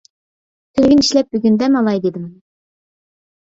تۈنۈگۈن ئىشلەپ، بۈگۈن دەم ئالاي دېدىم.